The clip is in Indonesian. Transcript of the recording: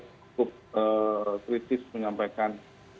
cukup kritis menyampaikan